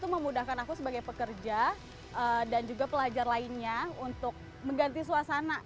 memudahkan aku sebagai pekerja dan juga pelajar lainnya untuk mengganti suasana